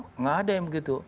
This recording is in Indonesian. nggak ada yang begitu